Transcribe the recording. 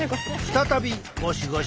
再びゴシゴシ。